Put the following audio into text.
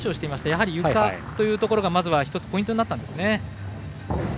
やはり、ゆかというところがまず１つポイントになったんでしょうね。